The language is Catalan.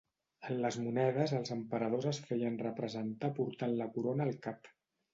En les monedes els emperadors es feien representar portant la corona al cap.